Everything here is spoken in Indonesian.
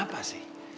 kamu tuh kenapa sih